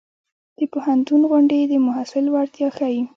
د پوهنتون غونډې د محصل وړتیا ښيي.